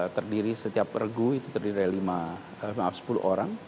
terdiri setiap regu itu terdiri dari maaf sepuluh orang